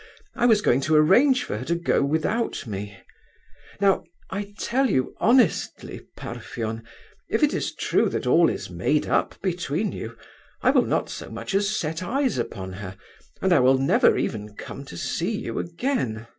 I was going to arrange for her to go without me. Now I tell you honestly, Parfen, if it is true that all is made up between you, I will not so much as set eyes upon her, and I will never even come to see you again.